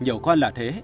nhiều con là thế